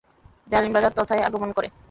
জালিম রাজা তথায় আগমন করে।